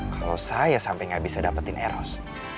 kalau saya sampai gak bisa dapetin eros